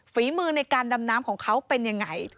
ฝีมือในการดำน้ำของเขาเป็นยังไง